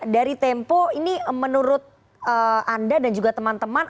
dari tempo ini menurut anda dan juga teman teman